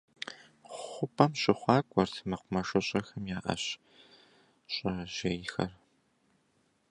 Хъупӏэм щыхъуакӏуэрт мэкъумэщыщIэхэм я ӏэщ щӏэжьейхэр.